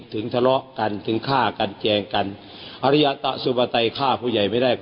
ถึงฆ่ากันแกงกันอริยะตะสุบัตตัยฆ่าผู้ใหญ่ไม่ได้